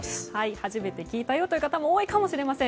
初めて聞いたよという方も多いかもしれません。